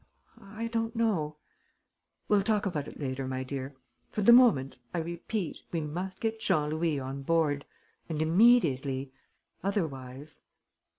I don't know...." "We'll talk about it later, my dear. For the moment, I repeat, we must get Jean Louis on board. And immediately.... Otherwise...."